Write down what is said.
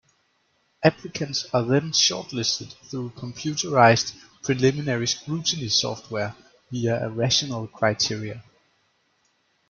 Applicants are then short-listed through computerized 'Preliminary Scrutiny' software via a rational criteria.